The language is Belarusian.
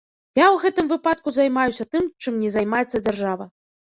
Я ў гэтым выпадку займаюся тым, чым не займаецца дзяржава.